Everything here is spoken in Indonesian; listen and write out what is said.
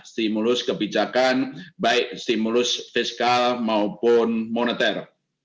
stimulus kebijakan baik stimulus fiskal maupun moneter